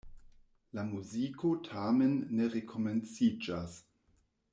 La muziko tamen ne rekomenciĝas.